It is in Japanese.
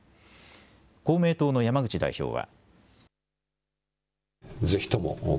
公明党の山口代表は。